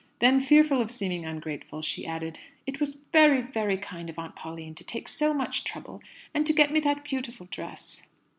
Then, fearful of seeming ungrateful, she added, "It was very, very kind of Aunt Pauline to take so much trouble, and to get me that beautiful dress."